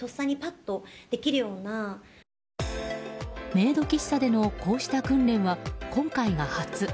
メイド喫茶でのこうした訓練は今回が初。